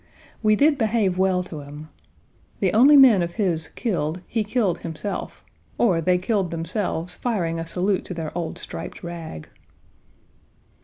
We did behave well to him. The only men of his killed, he killed himself, or they killed themselves firing a salute to their old striped rag."